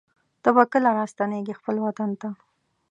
ته به کله راستنېږې خپل وطن ته